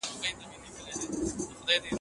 معلومات په چټکۍ سره خپریږي.